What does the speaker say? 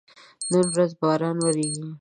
نن ورځ باران وریږي